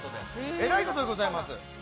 えらいことでございます。